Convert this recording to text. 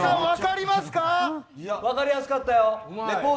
分かりやすかったよ！